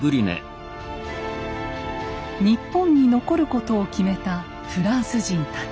日本に残ることを決めたフランス人たち。